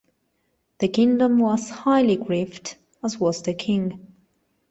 The kingdom was highly grieved, as was the king.